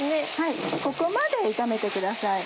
ここまで炒めてください。